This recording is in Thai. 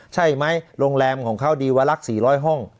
ใช่ไหมโรงแรมของเขาดีวันละ๔๐๐ห้อง